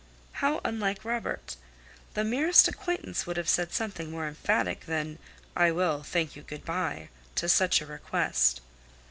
How unlike Robert! The merest acquaintance would have said something more emphatic than "I will, thank you; good by," to such a request.